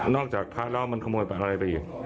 นอกจากค้าล้อมมันขโมยอะไรไปอีก